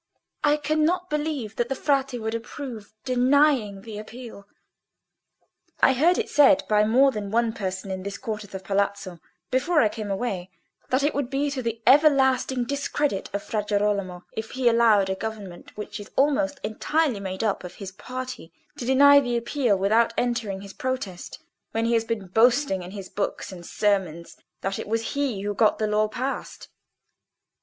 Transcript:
"I cannot believe that the Frate would approve denying the Appeal." "I heard it said by more than one person in the court of the Palazzo, before I came away, that it would be to the everlasting discredit of Fra Girolamo if he allowed a government which is almost entirely made up of his party, to deny the Appeal, without entering his protest, when he has been boasting in his books and sermons that it was he who got the law passed.